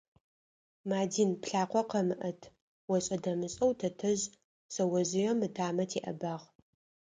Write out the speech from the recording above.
«Мадин, плъакъо къэмыӏэт»,- ошӏэ-дэмышӏэу тэтэжъ шъэожъыем ытамэ теӏэбагъ.